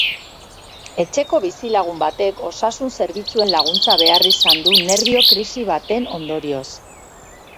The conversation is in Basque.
Etxeko bizilagun batek osasun zerbitzuen laguntza behar izan du nerbio-krisi baten ondorioz.